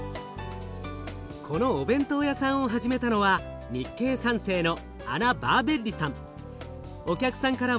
このお弁当屋さんを始めたのは日系三世のアナ・バーヴェッリさん。